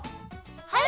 はい！